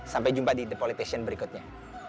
sampai jumpa di the politician berikutnya